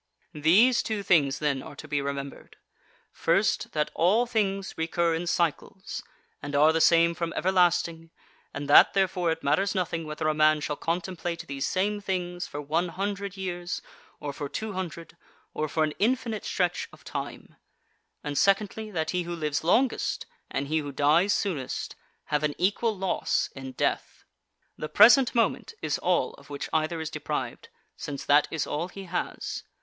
These two things then are to be remembered: First, that all things recur in cycles, and are the same from everlasting, and that, therefore, it matters nothing whether a man shall contemplate these same things for one hundred years, or for two hundred, or for an infinite stretch of time: and, secondly, that he who lives longest and he who dies soonest have an equal loss in death. The present moment is all of which either is deprived, since that is all he has.